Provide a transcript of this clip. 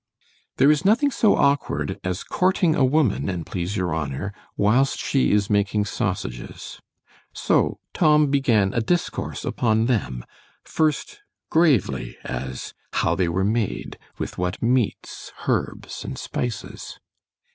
There is nothing so awkward, as courting a woman, an' please your honour, whilst she is making sausages——So Tom began a discourse upon them; first, gravely,——"as how they were made——with what meats, herbs, and spices."